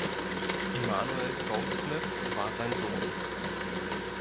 Immanuel Goldsmith war sein Sohn.